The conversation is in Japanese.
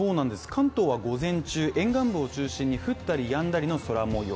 関東は午前中、沿岸部を中心に降ったり止んだりの空模様